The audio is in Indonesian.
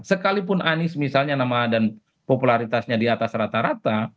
sekalipun anies misalnya nama dan popularitasnya di atas rata rata